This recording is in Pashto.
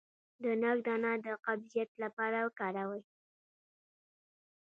د ناک دانه د قبضیت لپاره وکاروئ